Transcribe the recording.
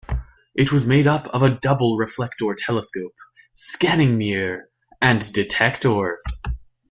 It was made up of a double reflector telescope, scanning mirror, and detectors.